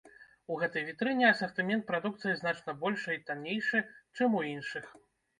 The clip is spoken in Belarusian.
У гэтай вітрыне асартымент прадукцыі значна большы і таннейшы, чым у іншых.